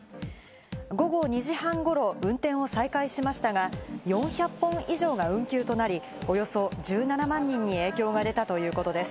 午後２時半頃、運転を再開しましたが、４００本以上が運休となり、およそ１７万人に影響が出たということです。